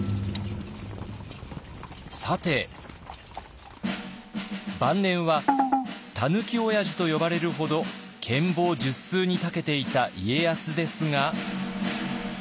さて晩年は「たぬき親父」と呼ばれるほど権謀術数にたけていた家康ですが。